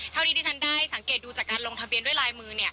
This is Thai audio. เท่าที่ฉันได้สังเกตดูจากการลงทะเบียนด้วยลายมือ